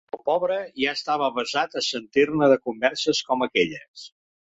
El pobre ja estava avesat a sentir-ne de converses com aquelles